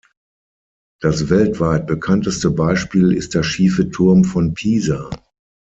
Das weltweit bekannteste Beispiel ist der Schiefe Turm von Pisa.